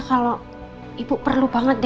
kalau ibu perlu banget